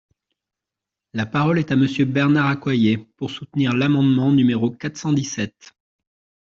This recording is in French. La parole est à Monsieur Bernard Accoyer, pour soutenir l’amendement numéro quatre cent dix-sept.